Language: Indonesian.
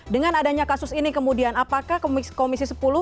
dengan adanya kasus ini kemudian apakah komisi sepuluh